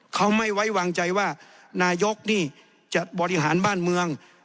เขาไม่ไว้วางใจว่านายกนี่จะบริหารบ้านเมือง